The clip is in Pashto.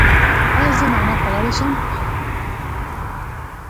ایا زه مڼه خوړلی شم؟